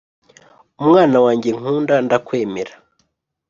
Umwana wanjye nkunda ndakwemera